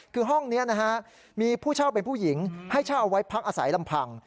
คือห้องนี้นะฮะมีผู้เช่าเป็นผู้หญิงให้เช่าเอาไว้พักอาศัยลำพัง